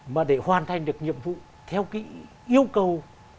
mà để hoàn thành được nhiệm vụ theo cái yêu cầu